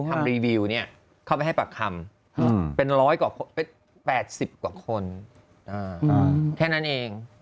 ทำรีวิวเนี่ยเข้าไปให้ปากคำเป็น๑๘๐กว่าคนแค่นั้นเอง